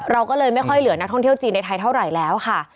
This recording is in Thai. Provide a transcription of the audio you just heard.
เราก็เลยไม่ค่อยเหลือนักท่องเที่ยวจีนในไทยเท่าไหร่แล้วค่ะ